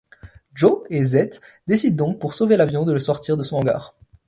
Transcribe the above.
Jo et Zette décident donc, pour sauver l'avion, de le sortir de son hangar.